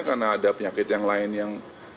karena ada penyakit yang lain yang